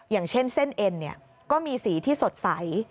อย่างเช่นเส้นเอ็นก็มีสีที่สดใส